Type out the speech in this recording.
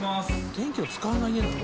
電気を使わない家なの？